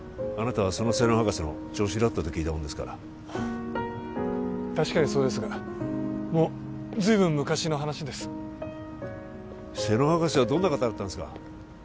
あなたはその瀬能博士の助手だったと聞いたもんですから確かにそうですがもう随分昔の話です瀬能博士はどんな方だったんですか？